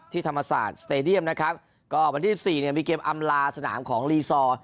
ธรรมศาสตร์สเตดียมนะครับก็วันที่สิบสี่เนี่ยมีเกมอำลาสนามของลีซอร์